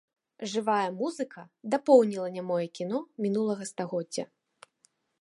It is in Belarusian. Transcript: Жывая музыка дапоўніла нямое кіно мінулага стагоддзя.